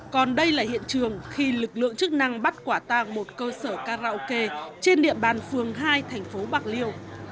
còn đây là hiện trường khi lực lượng chức năng bắt quả tang một cơ sở karaoke trên địa bàn phường hai thành phố bạc liêu